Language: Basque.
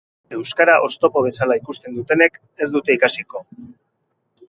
Euskara oztopo bezala ikusten dutenek ez dute ikasiko.